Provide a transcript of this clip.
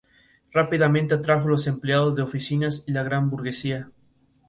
Rápidamente atrajo los empleados de oficinas y la gran burguesía.